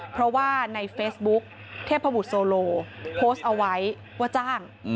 เพราะว่าในเฟซบุ๊กเทพบุตรโซโลโพสต์เอาไว้ว่าจ้าง